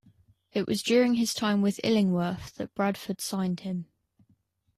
It was during his time with Illingworth that Bradford signed him.